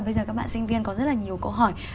bây giờ các bạn sinh viên có rất là nhiều câu hỏi